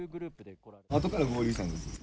あとから合流したんですよ。